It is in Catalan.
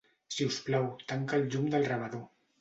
Si us plau, tanca el llum del rebedor.